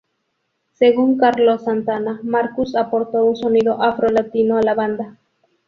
Según Carlos Santana, Marcus aporto un sonido afro-latino a la banda.